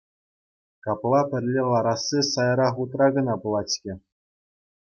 Капла пӗрле ларасси сайра хутра кӑна пулать-ҫке.